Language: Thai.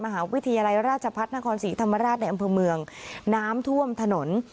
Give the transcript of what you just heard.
มหาวิทยาลัยราชพัฒนครศรีธรรมราชในอำเภอเมืองน้ำท่วมถนน